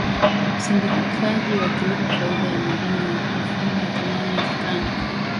usindikaji wa kilimo faida ya madini na mifumo ya thamani ya kikanda